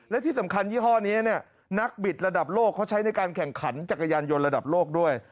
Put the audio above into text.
และที่สำคัญยี่ห้อนี้นักบิดระดับโลกเขาใช้ในการแข่งขันจักรยานยนต์ระดับโลกด้วย